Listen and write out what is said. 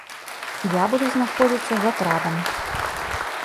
Я буду знаходзіцца з атрадам.